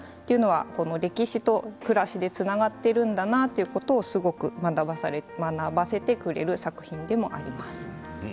歴史と暮らしってつながっているんだなということをすごく学ばせてくれる作品です。